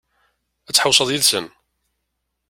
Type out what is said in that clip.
Ad tḥewwes yid-sen?